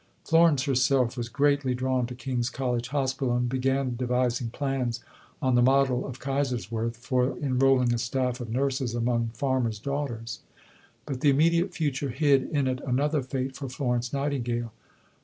Florence herself was greatly drawn to King's College Hospital, and began devising plans, on the model of Kaiserswerth, for enrolling a staff of nurses among farmers' daughters. Life of Lord Houghton, vol. i. p. 491. But the immediate future hid in it another fate for Florence Nightingale.